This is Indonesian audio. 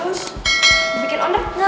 bikin onret gak pernah